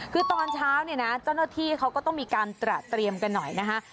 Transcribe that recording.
คือตอนเช้าเนี่ยนะเจ้าหน้าที่เขาก็ต้องมีการตระเตรียมกันหน่อยนะคะ